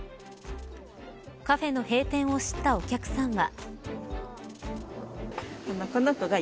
カフェの閉店を知ったお客さんは。